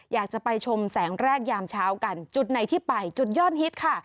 อยากจะไปชมแสงแรกยามเช้ากันจุดไหนที่ไปจุดยอดฮิตค่ะ